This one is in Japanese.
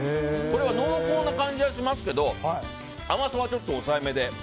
これは濃厚な感じはしますけど甘さはちょっと抑えめで。